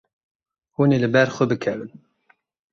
Hûn ê li ber xwe bikevin.